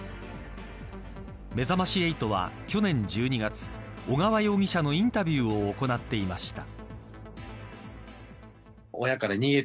めざまし８は去年１２月小川容疑者のインタビューを行っていました。